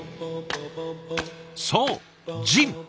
そうジン。